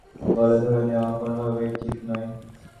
এটাকে জঙ্গিদের মদদ দেওয়া হচ্ছে বলে ধরে নেওয়া কোনোভাবেই ঠিক নয়।